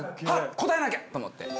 答えなきゃ！と思って。